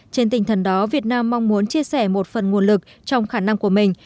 trên tinh thần đó việt nam mong muốn chia sẻ một phần nguồn lực trong khả năng của mình